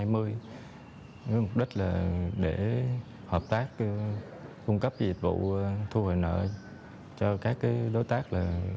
mục đích là để hợp tác cung cấp dịch vụ thu hồi nợ cho các đối tác